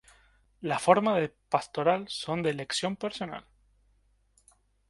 Las formas de pastoral son de elección personal.